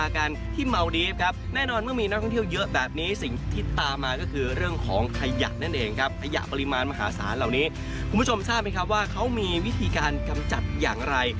คุณท่านรู้ไหมครับว่าเขามีวิธีการกำจัดอย่างไร